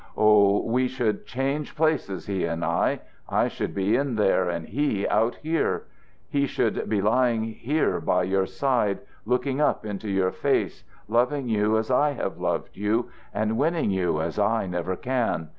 Oh, we should change places, he and I! I should be in there and he out here. He should be lying here by your side, looking up into your face, loving you as I have loved you, and winning you as I never can.